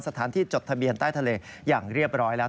สถานที่จดทะเบียนใต้ทะเลอย่างเรียบร้อยแล้ว